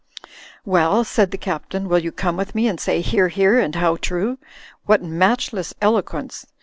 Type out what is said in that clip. "Well," said the Captain, "will you come with me and say *Hear, hear !' and *How true !'— What match less eloquence!'